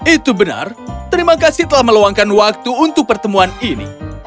itu benar terima kasih telah meluangkan waktu untuk pertemuan ini